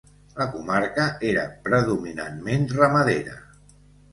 La comarca era predominantment ramadera.